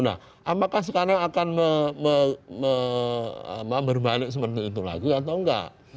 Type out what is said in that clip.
nah apakah sekarang akan berbalik seperti itu lagi atau enggak